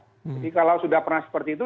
jadi kalau sudah pernah seperti itu